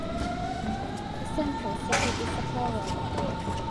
The central city is Sapporo.